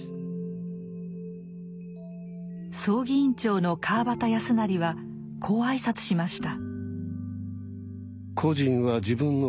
葬儀委員長の川端康成はこう挨拶しました。